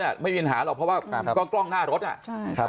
ไม่มีปัญหาหรอกเพราะว่ากล้องหน้ารถ